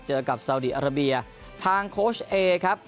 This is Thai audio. เจอกับสาวดีอาราเบียทางโค้ชเอครับ